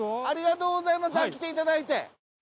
ありがとうございます来ていただいて。